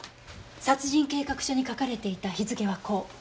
殺人計画書に書かれていた日付はこう。